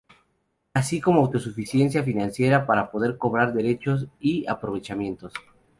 Así como autosuficiencia financiera para poder cobrar derechos y aprovechamientos.